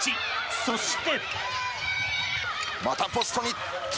そして。